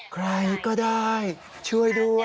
ใครก็ได้ช่วยด้วย